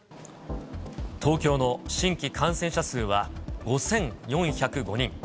東京の新規感染者数は５４０５人。